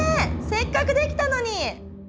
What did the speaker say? せっかくできたのに！